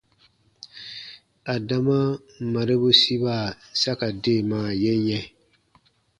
Adama marebu siba sa ka deemaa ye yɛ̃.